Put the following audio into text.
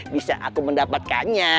bisa aku mendapatkannya